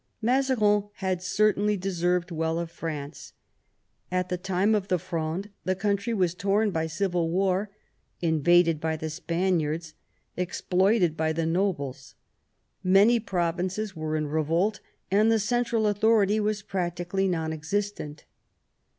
Mazarin had certainly deserved well of France. At the time of the Fronde the country was torn by civil war, invaded by the Spaniards, exploited by the nobles. Many provinces were in revolt, and the central authority was practically non existent.